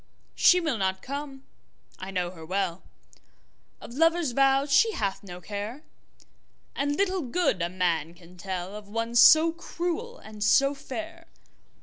She will not come, I know her well, Of lover's vows she hath no care, And little good a man can tellOf one so cruel and so fair.